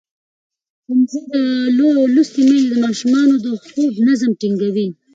ښوونځې لوستې میندې د ماشومانو د خوب نظم ټینګوي.